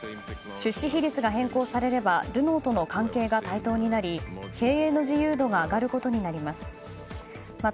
出資比率が変更されればルノーとの関係が対等になり経営の自由度が上がることになります。